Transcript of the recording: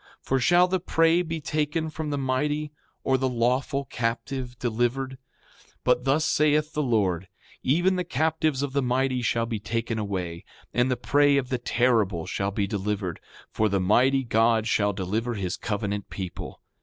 6:16 For shall the prey be taken from the mighty, or the lawful captive delivered? 6:17 But thus saith the Lord: Even the captives of the mighty shall be taken away, and the prey of the terrible shall be delivered; for the Mighty God shall deliver his covenant people.